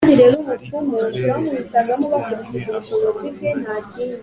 hari uturere tubiri twonyine aho abaturage